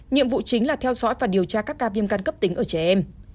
nhiệm vụ chính là theo dõi và điều tra các ca viêm căn cấp tính ở trẻ em